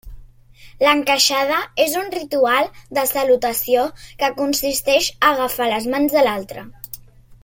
L'encaixada és un ritual de salutació que consisteix a agafar les mans de l'altre.